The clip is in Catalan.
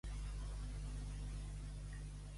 Or, del que caga Melcior.